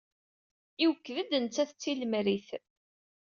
Iwekked-d nettat d tilemrit.